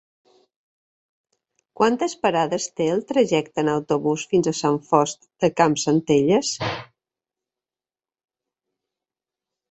Quantes parades té el trajecte en autobús fins a Sant Fost de Campsentelles?